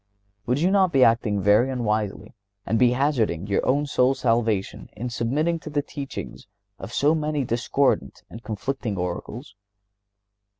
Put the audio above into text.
Would you not be acting very unwisely and be hazarding your soul's salvation in submitting to the teachings of so many discordant and conflicting oracles.